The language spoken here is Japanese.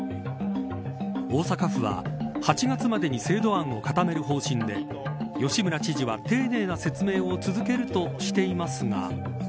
大阪府は、８月までに制度案を固める方針で吉村知事は丁寧な説明を続けるとしていますが。